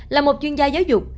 là một chuyên gia giáo dục